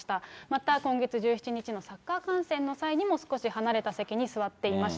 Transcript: また、今月１７日のサッカー観戦の際にも、少し離れた席に座っていました。